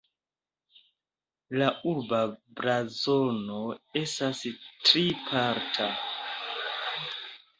La urba blazono estas triparta.